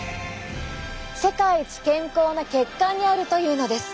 世界一健康な血管にあるというのです。